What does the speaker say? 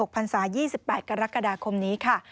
พันศา๒๘กรกฎาคมนี้ค่ะ